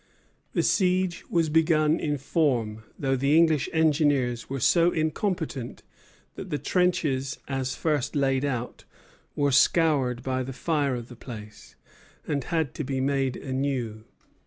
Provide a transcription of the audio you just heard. The siege was begun in form, though the English engineers were so incompetent that the trenches, as first laid out, were scoured by the fire of the place, and had to be made anew.